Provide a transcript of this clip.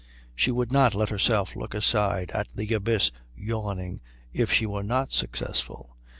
She would not let herself look aside at the abyss yawning if she were not successful.